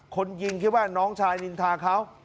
คนยิงคิดว่าน้องชายนินทาเขา